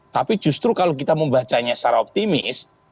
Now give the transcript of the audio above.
tapi justru kalau kita membacanya secara optimis